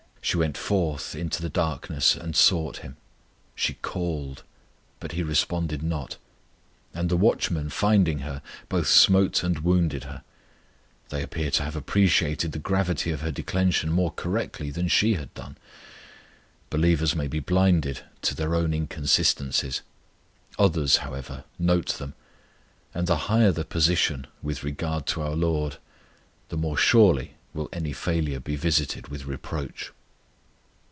She went forth into the darkness and sought Him; she called, but He responded not, and the watchmen finding her, both smote and wounded her. They appear to have appreciated the gravity of her declension more correctly than she had done. Believers may be blinded to their own inconsistencies; others, however, note them; and the higher the position with regard to our LORD the more surely will any failure be visited with reproach.